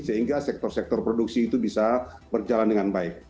sehingga sektor sektor produksi itu bisa berjalan dengan baik